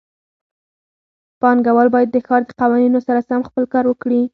پانګهوال باید د ښار د قوانینو سره سم خپل کار وکړي.